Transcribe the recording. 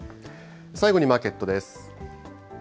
最後にマーケットです。